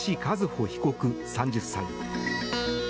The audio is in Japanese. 和歩被告、３０歳。